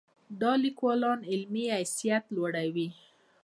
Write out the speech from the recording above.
دا د لیکوال علمي حیثیت لوړوي.